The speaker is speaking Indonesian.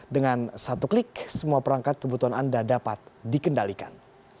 dengan satu klik semua perangkat kebutuhan anda dapat dikendalikan